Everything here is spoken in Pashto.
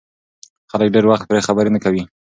خلک ډېر وخت پرې خبرې نه کوي.